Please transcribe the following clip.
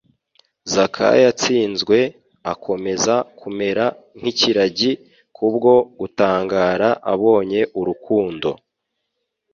Zakayo atsinzwe, akomeza kumera nk'ikiragi kubwo gutangara abonye urukundo